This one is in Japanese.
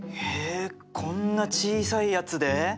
へえこんな小さいやつで。